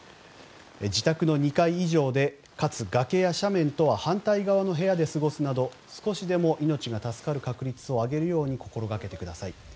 自宅の２階以上でかつ、崖や斜面とは反対側の部屋で過ごすなど少しでも命が助かる確率を上げるように心がけてください。